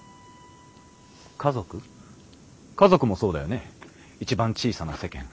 家族家族もそうだよね一番小さな世間。